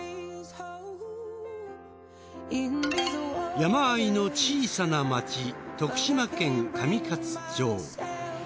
山あいの小さな町徳島県上勝町。